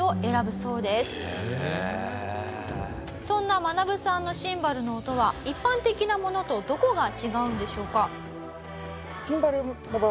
「そんなマナブさんのシンバルの音は一般的なものとどこが違うんでしょうか？」